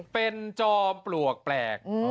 เป็นจอมปลวกแปลก